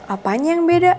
apanya yang beda